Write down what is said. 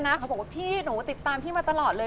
เขาบอกว่าพี่หนูติดตามพี่มาตลอดเลย